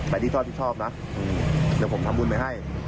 ที่ชอบที่ชอบนะเดี๋ยวผมทำบุญไปให้